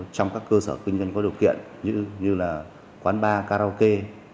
trong các cơ sở kinh doanh có điều kiện như là quán bar karaoke